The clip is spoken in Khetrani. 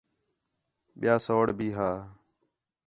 ٻِیا سَوڑ بھی ہا